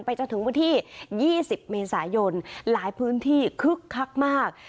จนถึงวันที่๒๐เมษายนหลายพื้นที่คึกคักมาก